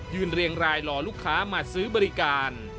เรียงรายรอลูกค้ามาซื้อบริการ